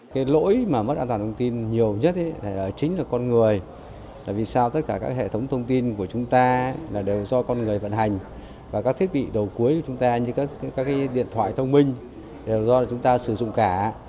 cái lỗi mà mất an toàn thông tin nhiều nhất chính là con người là vì sao tất cả các hệ thống thông tin của chúng ta là đều do con người vận hành và các thiết bị đầu cuối của chúng ta như các cái điện thoại thông minh đều do chúng ta sử dụng cả